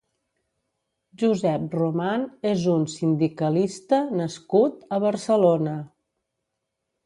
Josep Roman és un sindicalista nascut a Barcelona.